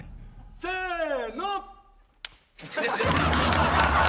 せの。